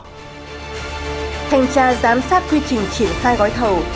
thành tra giám sát quy trình triển khai gói thầu